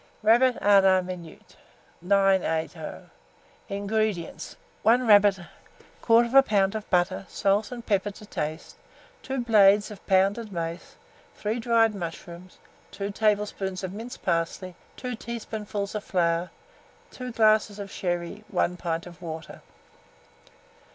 RABBIT A LA MINUTE. 980. INGREDIENTS. 1 rabbit, 1/4 lb. of butter, salt and pepper to taste, 2 blades of pounded mace, 3 dried mushrooms, 2 tablespoonfuls of minced parsley, 2 teaspoonfuls of flour, 2 glasses of sherry, 1 pint of water.